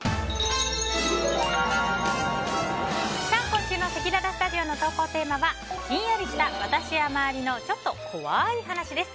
今週のせきららスタジオの投稿テーマはヒンヤリした私や周りのちょっと怖い話です。